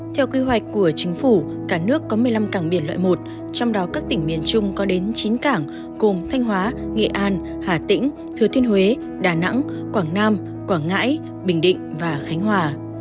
theo quy hoạch của chính phủ cả nước có một mươi năm cảng biển loại một trong đó các tỉnh miền trung có đến chín cảng cùng thanh hóa nghệ an hà tĩnh thừa thiên huế đà nẵng quảng nam quảng ngãi bình định và khánh hòa